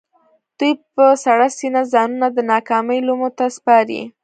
دوی په سړه سينه ځانونه د ناکامۍ لومو ته سپاري.